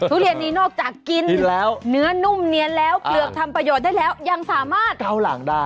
ทุเรียนนี้นอกจากกินแล้วเนื้อนุ่มเนียนแล้วเปลือกทำประโยชน์ได้แล้วยังสามารถเกาหลังได้